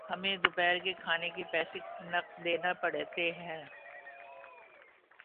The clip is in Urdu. ہمیں دوپہر کے کھانےنکے پیسے نقد دینا پڑتے ہیں